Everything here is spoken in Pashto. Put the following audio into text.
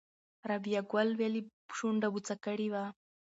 رابعه ګل ولې شونډه بوڅه کړې وه؟